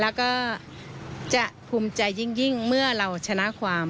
แล้วก็จะภูมิใจยิ่งเมื่อเราชนะความ